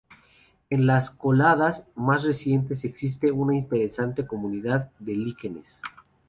En las coladas más recientes existe una interesante comunidad de líquenes.